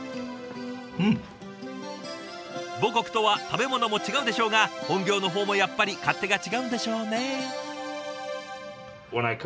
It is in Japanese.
母国とは食べ物も違うでしょうが本業の方もやっぱり勝手が違うんでしょうね。